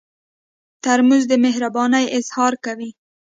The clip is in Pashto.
ترموز د مهربانۍ اظهار کوي.